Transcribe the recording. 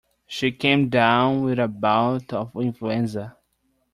She came down with a bout of influenza.